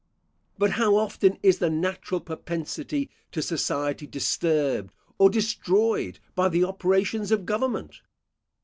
But how often is the natural propensity to society disturbed or destroyed by the operations of government!